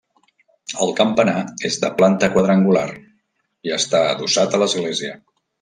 El campanar és de planta quadrangular i està adossat a l’església.